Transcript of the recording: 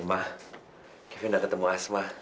mama kevin udah ketemu asma